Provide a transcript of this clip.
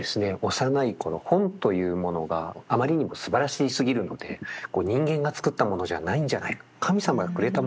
幼い頃本というものがあまりにもすばらしすぎるので人間が作ったものじゃないんじゃないか神様がくれたものだ。